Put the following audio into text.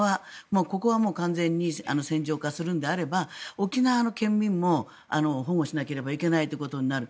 ここは完全に戦場化するのであれば沖縄の県民も保護しなければいけないということになる。